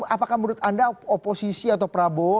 apakah menurut anda oposisi atau prabowo